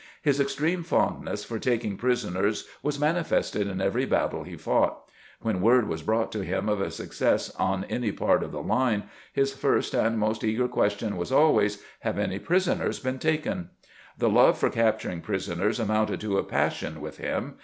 His extreme fondness for taking prisoners was manifested in every battle he fought. When word was brought to him of a success on any part of the line, his first and most eager question was always, " Have any prisoners been taken ?" The love for capturing prisoners amounted to a passion with him.